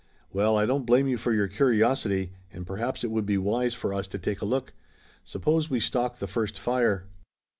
"Well, I don't blame you for your curiosity and perhaps it would be wise for us to take a look. Suppose we stalk the first fire."